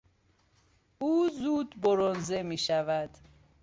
او زود برنزه میشود.